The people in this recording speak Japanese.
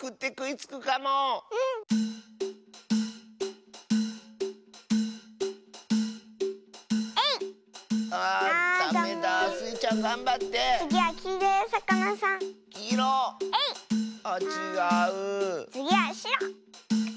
つぎはしろ。